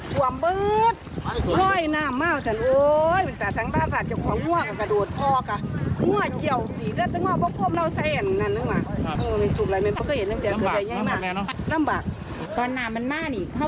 ตรวมเบิ๊ดร่อยน้ำมากจังโอ้ยแต่สังตราศาสตร์จะคว้าง่วงกับกระโดดพอก่ะ